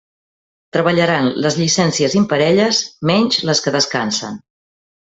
Treballaran les llicències imparelles, menys les que descansen.